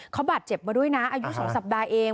เขาบาดเจ็บมาด้วยนะอายุ๒สัปดาห์เอง